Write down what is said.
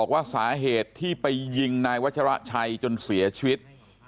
ว่าสาเหตุที่ไปยิงนายวัชระชัยจนเสียชีวิต